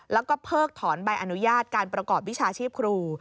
แล้วก็เพิกถอนใบอนุญาตการประกอบวิชาชีพครู